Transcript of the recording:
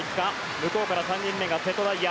向こうから３人目が瀬戸大也。